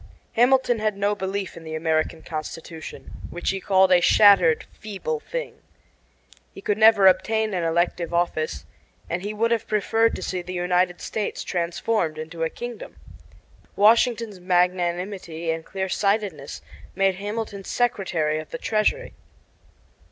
Hamilton had no belief in the American Constitution, which he called "a shattered, feeble thing." He could never obtain an elective office, and he would have preferred to see the United States transformed into a kingdom. Washington's magnanimity and clear sightedness made Hamilton Secretary of the Treasury.